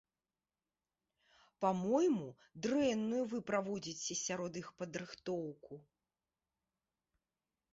Па-мойму, дрэнную вы праводзіце сярод іх падрыхтоўку.